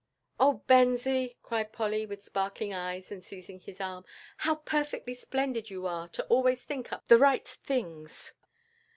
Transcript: "Oh, Bensie!" cried Polly, with sparkling eyes, and seizing his arm, "how perfectly splendid you are to always think up the right things."